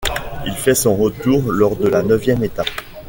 Il fait son retour lors de la neuvième étape.